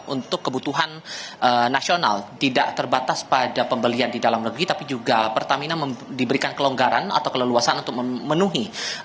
untuk kebutuhan nasional tidak terbatas pada pembelian di dalam negeri tapi juga pertamina diberikan kelonggaran atau keleluasan untuk memenuhi